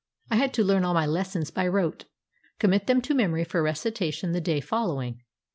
I had to learn all my lessons by rote; commit them to memory for recitation the day following.